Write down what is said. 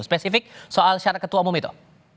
spesifik soal syarat ketua umum itu